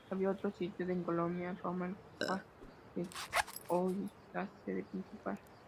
Abrió otro sito en Colonia Roma, el cual es hoy la sede principal.